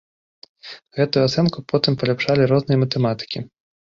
Гэтую ацэнку потым паляпшалі розныя матэматыкі.